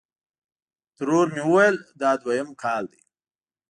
ترور مې ویل: دا دویم کال دی.